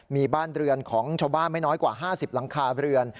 มีบ้านเรือนของชาวบ้านไม่น้อยกว่า๕๐หลังคาเรือน